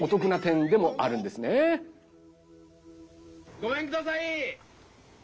ごめんください！